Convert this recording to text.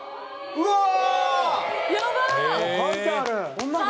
うわー！